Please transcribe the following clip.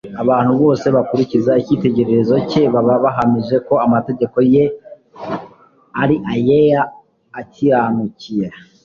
Abantu bose bakurikiza icyitegererezo cye baba bahamije ko amategeko ari ayera, akirariuka,